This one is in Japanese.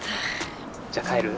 じゃあ帰る？